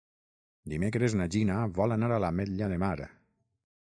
Dimecres na Gina vol anar a l'Ametlla de Mar.